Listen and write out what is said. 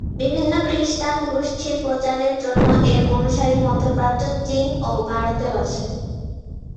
বিভিন্ন খ্রিস্টান গোষ্ঠীর প্রচারের জন্য এর অনুসারী মধ্যপ্রাচ্য, চীন ও ভারতেও আছে।